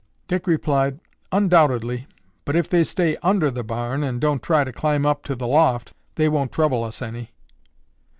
Dick replied, "Undoubtedly, but if they stay under the barn and don't try to climb up to the loft, they won't trouble us any."